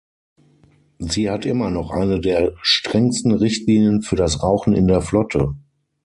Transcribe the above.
Sie hat immer noch eine der strengsten Richtlinien für das Rauchen in der Flotte.